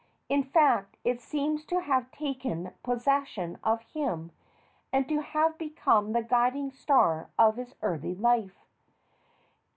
In fact, it seems to have taken possession of him and to have become the guiding star of his early life.